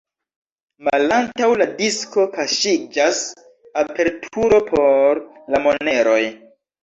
Malantaŭ la disko kaŝiĝas aperturo por la moneroj.